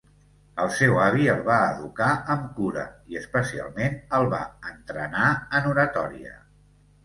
El seu avi el va educar amb cura i especialment el va entrenar en oratòria.